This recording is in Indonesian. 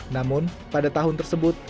namun pada tahun tersebut